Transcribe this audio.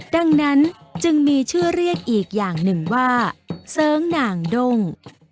ดังนั้นจึงมีชื่อเรียกอีกอย่างหนึ่งว่าเสริงหน่างด้ง